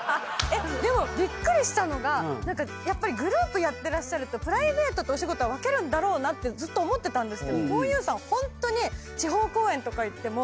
でもびっくりしたのがグループやってらっしゃるとプライベートとお仕事分けるんだろうなって思ってたんですけどふぉゆさんホントに地方公演とか行っても。